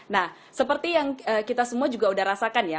nah seperti yang kita semua juga udah rasakan ya